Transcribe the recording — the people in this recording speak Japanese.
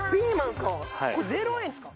これ、０円ですか？